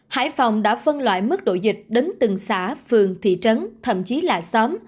hải phòng đã phân loại mức độ dịch đến từng xã phường thị trấn thậm chí là xóm